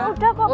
udah kok bu